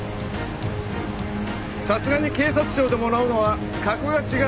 さすがに警察庁でもらうのは格が違う。